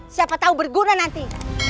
siapa tahu berguna nanti